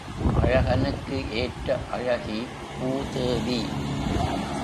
அழகனுக்கு ஏற்ற அழகி பூதேவி.